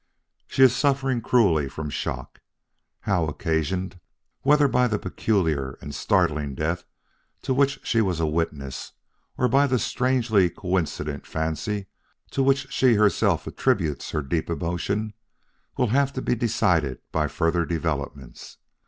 She is suffering cruelly from shock. How occasioned, whether by the peculiar and startling death to which she was a witness or by the strangely coincident fancy to which she herself attributes her deep emotion, will have to be decided by further developments.